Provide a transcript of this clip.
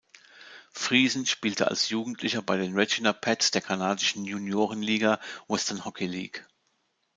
Friesen spielte als Jugendlicher bei den Regina Pats der kanadischen Juniorenliga Western Hockey League.